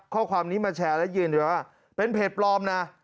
ข้อความนี้มาแชร์และยืนยันว่าเป็นเพจปลอมนะ